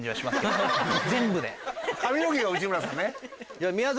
髪の毛が内村さんね。